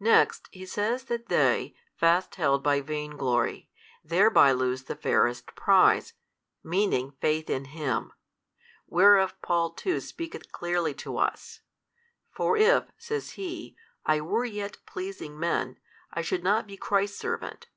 Next |304 He says that they, fast held by vain glory, thereby lose the fairest prize, meaning faith in Him: whereof Paul too speaketh clearly to us: for if (says he) I were yet pleasing men, I should not be Christ's servant.